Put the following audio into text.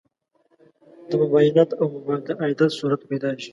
د مباینت او مباعدت صورت پیدا شي.